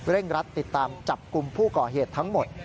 รัดติดตามจับกลุ่มผู้ก่อเหตุทั้งหมด